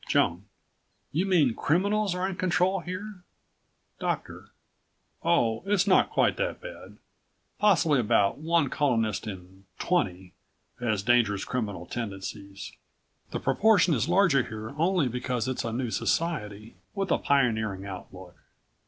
Joan: You mean criminals are in control here? Doctor: Oh, it's not quite that bad. Possibly about one colonist in twenty has dangerous criminal tendencies. The proportion is larger here only because it's a new society, with a pioneering outlook.